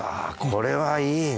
これはいいね